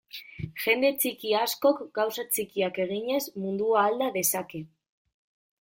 Jende txiki askok, gauza txikiak eginez, mundua alda dezake.